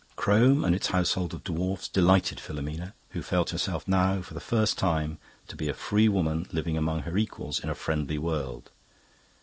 "Crome and its household of dwarfs delighted Filomena, who felt herself now for the first time to be a free woman living among her equals in a friendly world.